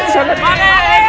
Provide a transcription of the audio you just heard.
saya kisah anak